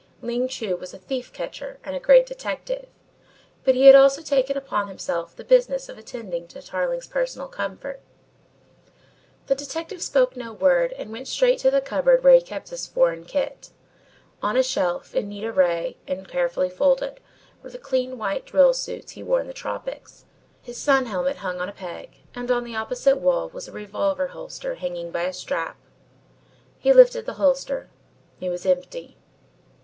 Ling Chu was a thief catcher and a great detective, but he had also taken upon himself the business of attending to Tarling's personal comfort. The detective spoke no word, out went straight to the cupboard where he kept his foreign kit. On a shelf in neat array and carefully folded, were the thin white drill suits he wore in the tropics. His sun helmet hung on a peg, and on the opposite wall was a revolver holster hanging by a strap. He lifted the holster. It was empty.